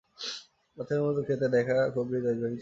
বাচ্চাদের খেতে দেখাটা খুব হৃদয়গ্রাহী ছিল।